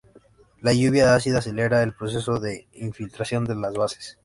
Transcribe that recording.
La lluvia ácida acelera el proceso de infiltración de las bases.